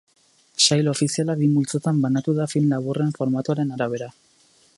Sail ofiziala bi multzotan banatu da film laburren formatuaren arabera.